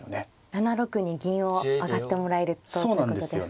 ７六に銀を上がってもらえるとっていうことですか。